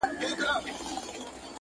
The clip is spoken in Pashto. یم ډوډۍ پسې په منډه